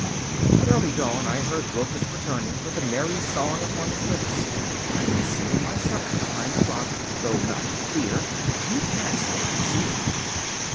At early dawn I heard Rochus returning, with a merry song upon his lips. I concealed myself behind a rock, though not in fear, and he passed without seeing me.